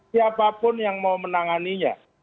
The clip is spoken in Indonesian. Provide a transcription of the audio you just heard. siapapun yang mau menanganinya